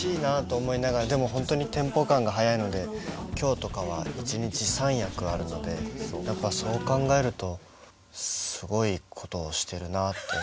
でも本当にテンポ感が速いので今日とかは一日３役あるのでやっぱそう考えるとすごいことをしてるなあって。